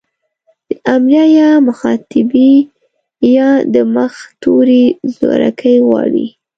د امريه يا مخاطبې ئ د مخه توری زورکی غواړي.